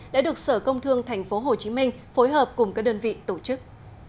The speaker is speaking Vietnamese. đã được sở công thương tp hcm phối hợp cùng các đơn vị tổ chức